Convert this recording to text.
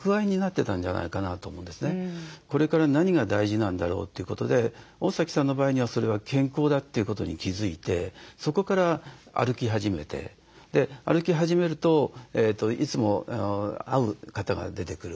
これから何が大事なんだろうということで大崎さんの場合にはそれは健康だということに気付いてそこから歩き始めて歩き始めるといつも会う方が出てくる。